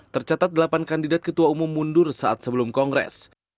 tercatat delapan kandidat ketua umum mundur saat sebelum kongres